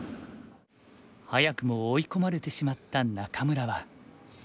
早くも追い込まれてしまった仲邑は。